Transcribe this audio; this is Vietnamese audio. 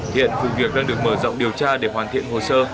hiện vụ việc đang được mở rộng điều tra để hoàn thiện hồ sơ